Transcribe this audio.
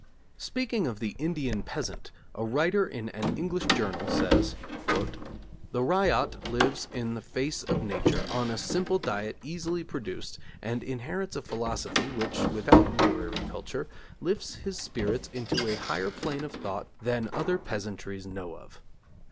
Speaking of the Indian peasant a writer in an English journal says: 'The ryot lives in the face of Nature, on a simple diet easily procured, and inherits a philosophy, which, without literary culture, lifts his spirit into a higher plane of thought than other peasantries know of.